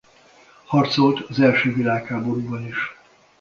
Harcolt az első világháborúban is.